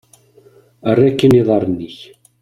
Err akkin iḍarren-ik!